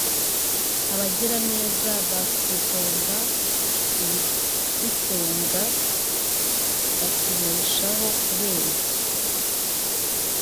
Abagiraneza batugomba ibidutunga batubeshaho kubera iki